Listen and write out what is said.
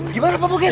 gimana pak bukir